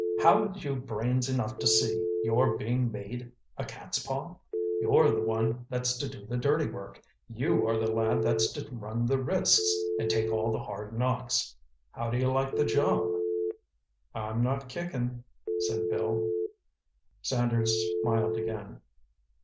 "Haven't you brains enough to see you're being made a catspaw. You're the one that's to do the dirty work—you are the lad that's to run the risks and take all the hard knocks. How do you like the job?" "I'm not kicking," said Bill. Sanders smiled again.